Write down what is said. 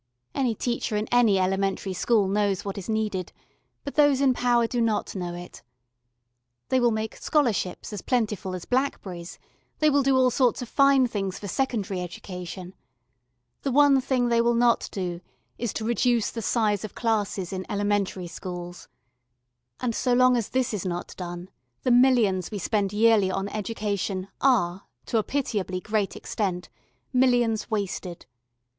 Any teacher in any elementary school knows what is needed, but those in power do not know it. They will make scholarships as plentiful as blackberries, they will do all sorts of fine things for secondary education. The one thing they will not do is to reduce the size of the classes in elementary schools. And so long as this is not done the millions we spend yearly on education are, to a pitiably great extent, millions wasted.